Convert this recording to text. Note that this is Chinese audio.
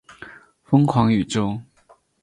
疯狂宇宙